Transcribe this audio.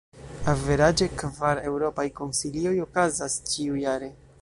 Averaĝe, kvar Eŭropaj Konsilioj okazas ĉiujare.